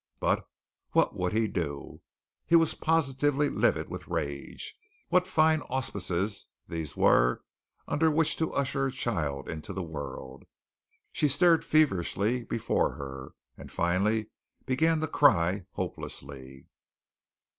But what would he do? He was positively livid with rage. What fine auspices these were under which to usher a child into the world! She stared feverishly before her, and finally began to cry hopelessly.